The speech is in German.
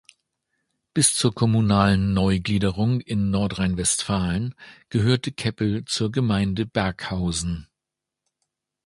Bis zur kommunalen Neugliederung in Nordrhein-Westfalen gehörte Keppel zur Gemeinde Berghausen.